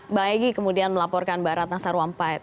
mbak egy kemudian melaporkan mbak ratna sarumpait